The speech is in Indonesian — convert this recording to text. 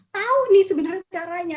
tahu nih sebenarnya caranya